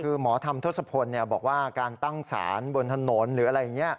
คือหมอธรรมทศพลบอกว่าการตั้งสารบนถนนหรืออะไรอย่างนี้